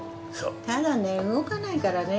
ただね動かないからね。